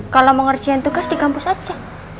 kalo mau ngerjain tugas di kampus aja